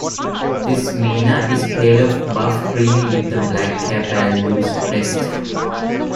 This myna is pale buff creamy with a black cap and a loose crest.